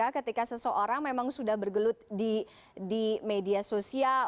ketika seseorang memang sudah bergelut di media sosial